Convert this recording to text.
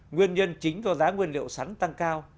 nguyên nhân chính do giá nguyên liệu sắn tăng cao